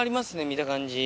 見た感じ。